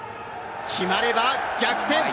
決まれば逆転。